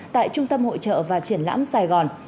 tại trung tâm hội trợ và triển lãm sài gòn